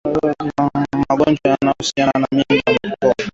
Magonjwa yanayohusisha mimba kutoka